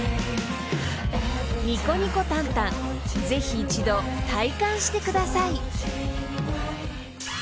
ぜひ一度体感してください］